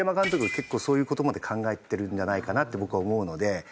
結構そういう事まで考えてるんじゃないかなって僕は思うので。